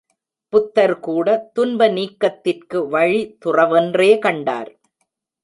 புத்தர் கூட துன்ப நீக்கத்திற்கு வழி துறவென்றே கண்டார்.